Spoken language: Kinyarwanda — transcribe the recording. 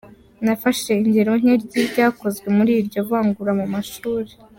Nafashe ingero nke ry’ibyakozwe muri iryo vangura mu mashuli.